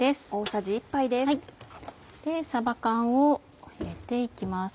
さば缶を入れて行きます。